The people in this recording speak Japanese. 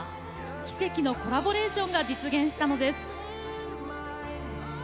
奇跡のコラボレーションが実現したんです。